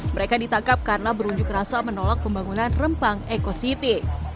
mereka ditangkap karena berujuk rasa menolak pembangunan rempang ekositi